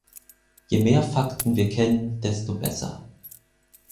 Je mehr Fakten wir kennen, desto besser.